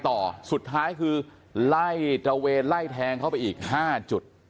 ต่อสุดท้ายคือไล่ตระเวนไล่แทงเข้าไปอีก๕จุด